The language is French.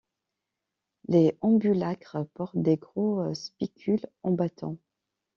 Les ambulacres portent de gros spicules en bâtons.